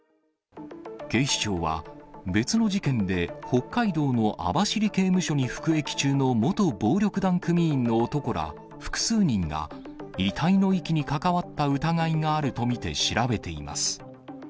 警視庁は、別の事件で北海道の網走刑務所に服役中の元暴力団組員の男ら複数人が、遺体の遺棄に関わった疑いがあると見て調べています。